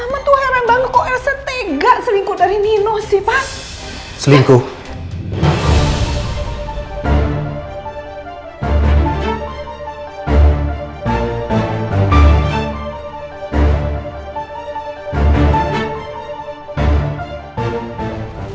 sama itu heran banget kok elsa itu gak selingkuh dari nino sih seneng antic contact